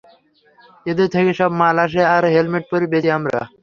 এদের থেকেই সব মাল আসে, আর হেলমেট পরেই বেচি আমরা।